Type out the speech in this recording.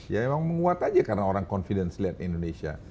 ya emang menguat aja karena orang confidence lihat indonesia